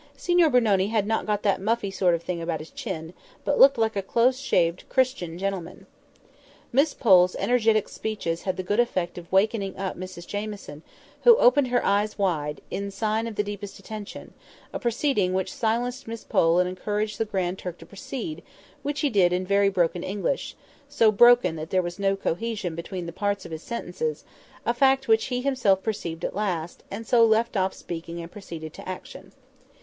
"Signor Brunoni had not got that muffy sort of thing about his chin, but looked like a close shaved Christian gentleman." Miss Pole's energetic speeches had the good effect of wakening up Mrs Jamieson, who opened her eyes wide, in sign of the deepest attention—a proceeding which silenced Miss Pole and encouraged the Grand Turk to proceed, which he did in very broken English—so broken that there was no cohesion between the parts of his sentences; a fact which he himself perceived at last, and so left off speaking and proceeded to action.